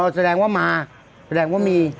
แสดงว่ามาแสดงว่ามี